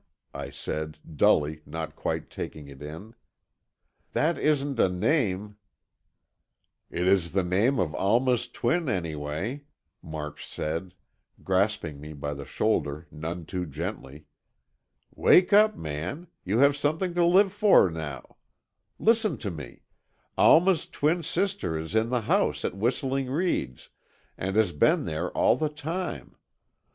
I said, dully, not quite taking it in. "That isn't a name——" "It is the name of Alma's twin, anyway," March said, grasping me by the shoulder, none too gently. "Wake up, man, you have something to live for now! Listen to me. Alma's twin sister is in the house at Whistling Reeds, and has been there all the time.